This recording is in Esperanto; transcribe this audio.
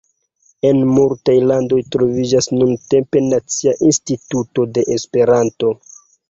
En multaj landoj troviĝas nuntempe nacia instituto de Esperanto.